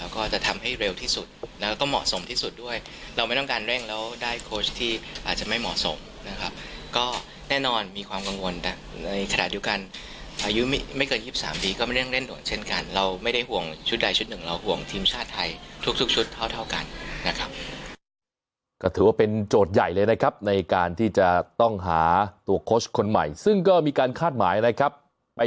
ก็ถือว่าเป็นโจทย์ใหญ่เลยนะครับในการที่จะต้องหาตัวโค้ชคนใหม่ซึ่งก็มีการคาดหมายอะไรครับไป